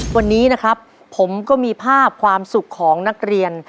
วันนี้นะครับผมก็มีภาพความสุขของนักเรียน